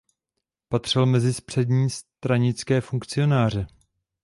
Patřil mezi přední stranické funkcionáře.